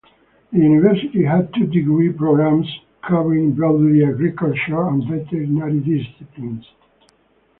The university had two-degree programmes covering broadly agriculture and veterinary disciplines.